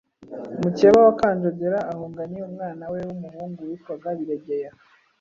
mukeba we Kanjogera ahunganye umwana we w’umuhungu witwaga Biregeya.